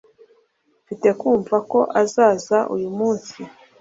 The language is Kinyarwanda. mfite kumva ko azaza uyu munsi